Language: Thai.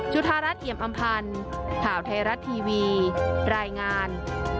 ธารัฐเอี่ยมอำพันธ์ข่าวไทยรัฐทีวีรายงาน